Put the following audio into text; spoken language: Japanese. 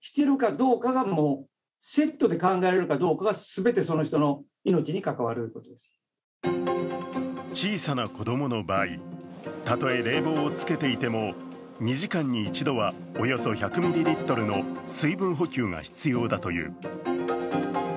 専門家は小さな子供の場合、たとえ冷房をつけていても２時間に１度はおよそ１００ミリリットルの水分補給が必要だという。